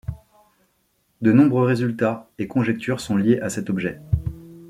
De nombreux résultats et conjectures sont liés à cet objet.